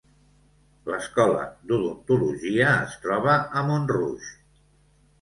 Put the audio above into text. L'escola d'odontologia es troba a Montrouge.